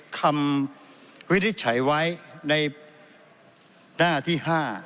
คำวิฤทธิ์ใช้ไว้ในหน้าที่๕